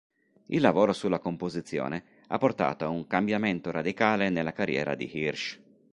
Il lavoro sulla composizione ha portato a un cambiamento radicale nella carriera di Hirsch.